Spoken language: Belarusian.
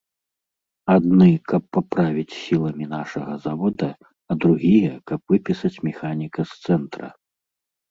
Адны, каб паправіць сіламі нашага завода, а другія, каб выпісаць механіка з цэнтра.